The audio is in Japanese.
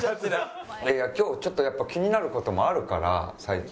今日ちょっとやっぱ気になる事もあるから最近。